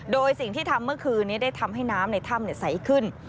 โดยสิ่งที่ทำเมื่อคืนนี้ได้ทำให้น้ำในถ้ำใสขึ้น